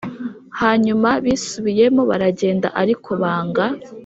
Hanyuma bisubiyemo baragenda ariko banga